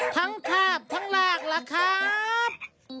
ทั้งภาพทั้งรากแหละครับ